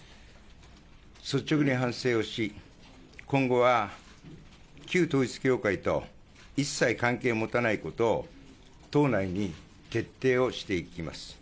率直に反省をし、今後は、旧統一教会と一切関係を持たないことを、党内に徹底をしていきます。